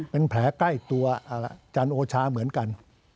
เป็นแผลใกล้ตัวอาจารย์โอชาเหมือนกัน